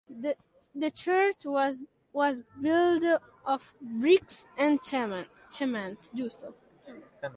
The church was built of bricks and cement.